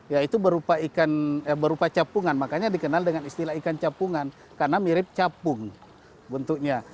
yaitu berupa capungan makanya dikenal dengan istilah ikan capungan karena mirip capung bentuknya